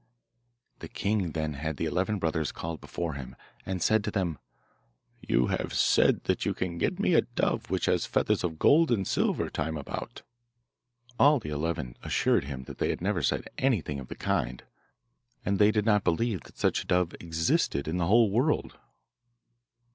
The king then had the eleven brothers called before him, and said to them, 'You have said that you can get me a dove which has feathers of gold and silver time about.' All the eleven assured him that they had never said anything of the kind, and they did not believe that such a dove existed in the whole world.